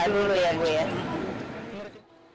apa yang digeluhkan ismiati ternyata dirasakan juga